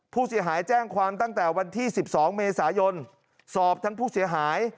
ผู้เสียหายแจ้งความตั้งแต่วันที่๑๒เมษายนสอบทั้งผู้เสียหาย